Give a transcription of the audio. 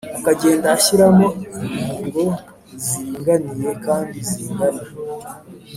akagenda ashyiramo inkingo ziringaniye kandi zingana